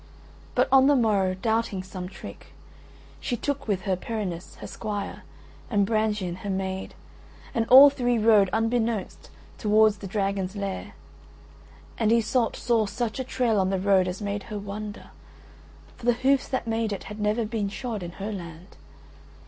But on the morrow, doubting some trick, she took with her Perinis her squire and Brangien her maid, and all three rode unbeknownst towards the dragon's lair: and Iseult saw such a trail on the road as made her wonder—for the hoofs that made it had never been shod in her land.